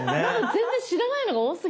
全然知らないのが多すぎて。